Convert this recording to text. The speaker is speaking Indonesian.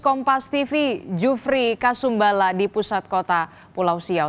kompas tv jufri kasumbala di pusat kota pulau siau